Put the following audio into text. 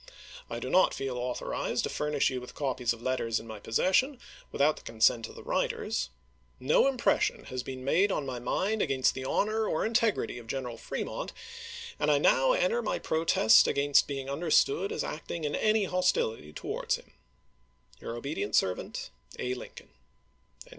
I do not feel authorized to furnish you with copies of letters in my possession, without the consent of the writers. No . impression has been made on my mind against the honor or integrity of General Fremont, and I now enter my protest against being understood as acting in any hostility ]yig_ towards him. Your obedient servant, A. Lincoln.